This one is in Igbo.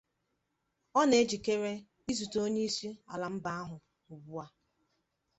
O na-ejikere izute onye isi ala mba ahụ ugbu a